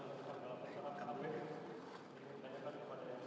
ayo menjadi salah satu perkara